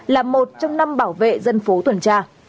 là một trong năm bảo vệ dân phố tuần tra